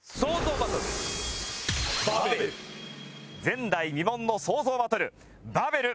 前代未聞の創造バトルバベル